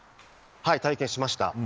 体験しました。